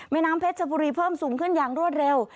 น้ำเพชรชบุรีเพิ่มสูงขึ้นอย่างรวดเร็ว